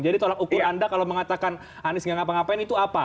jadi tolak ukur anda kalau mengatakan anies nggak ngapa ngapain itu apa